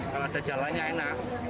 kalau ada jalannya enak